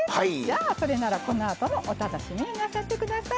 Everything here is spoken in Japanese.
それなら、このあとのお楽しみになさってください。